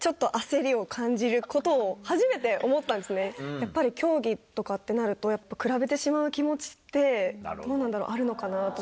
やっぱり競技とかってなると比べてしまう気持ちってどうなんだろうあるのかなと。